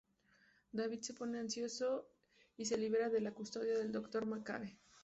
David se pone ansioso y se libera de la custodia del Dr. McCabe.